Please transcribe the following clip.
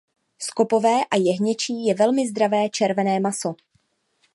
Skopové a jehněčí je velmi zdravé červené maso.